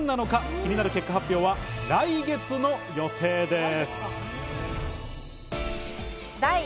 気になる結果発表は来月の予定です。